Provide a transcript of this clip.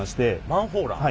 マンホーラー？